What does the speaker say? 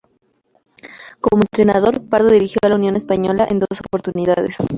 Como entrenador, Pardo dirigió a Unión Española en dos oportunidades.